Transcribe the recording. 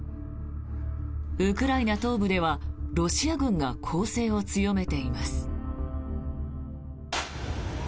ウクライナ東部ではロシア軍が攻勢を強めています。